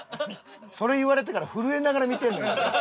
それ言われてから震えながら見てんねんから。